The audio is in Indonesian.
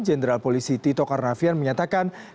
jenderal polisi tito karnavian menyatakan